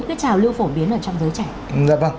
những cái trào lưu phổ biến ở trong giới trẻ